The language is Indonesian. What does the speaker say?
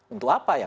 untuk apa ya